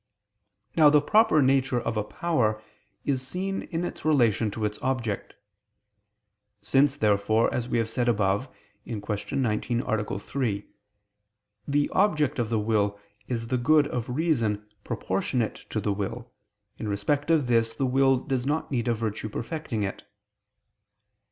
Now the proper nature of a power is seen in its relation to its object. Since, therefore, as we have said above (Q. 19, A. 3), the object of the will is the good of reason proportionate to the will, in respect of this the will does not need a virtue perfecting it.